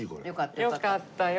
よかったよかった。